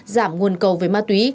giảm nguồn cầu về ma túy